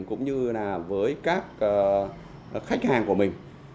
cũng như là với các khách hàng của mình